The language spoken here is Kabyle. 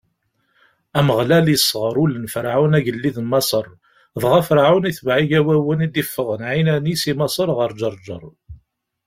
Ameɣlal isɣer ul n Ferɛun, agellid n Maṣer, dɣa Ferɛun itbeɛ Igawawen i d-iffɣen ɛinani si Maṣer ɣer Ǧeṛǧeṛ.